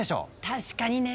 確かにね。